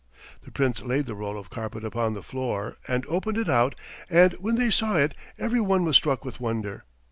The Prince laid the roll of carpet upon the floor and opened it out and when they saw it every one was struck with wonder.